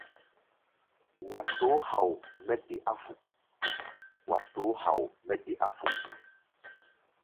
Wa tó hao mɛ́ de áfuk.